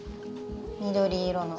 緑色の。